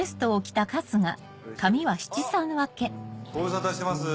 ご無沙汰してます。